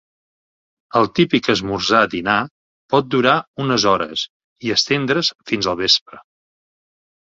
El típic esmorzar-dinar pot durar unes hores i estendre's fins al vespre.